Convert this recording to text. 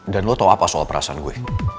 dan lo tau apa soal perasaan gue